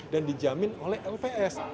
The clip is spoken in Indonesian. dan dijamin oleh lps